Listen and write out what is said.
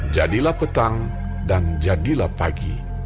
jadilah petang dan jadilah pagi